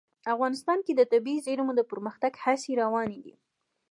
افغانستان کې د طبیعي زیرمې د پرمختګ هڅې روانې دي.